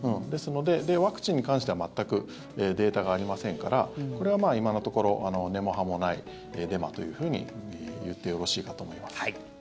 ワクチンに関しては全くデータがありませんからこれは今のところ根も葉もないデマというふうに言ってよろしいかと思います。